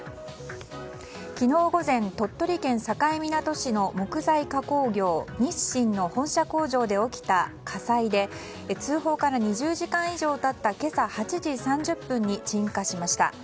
昨日午前鳥取県境港市の木材加工業日新の本社工場で起きた火災で通報から２０時間以上経った今朝８時３０分に鎮火しました。